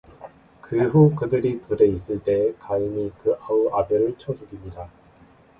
그 후 그들이 들에 있을 때에 가인이 그 아우 아벨을 쳐 죽이니라